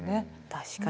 確かに。